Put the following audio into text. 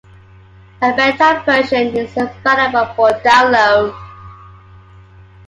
A beta version is available for download.